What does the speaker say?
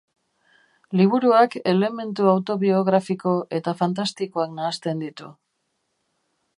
Liburuak elementu autobiografiko eta fantastikoak nahasten ditu.